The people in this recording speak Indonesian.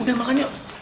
udah makan yuk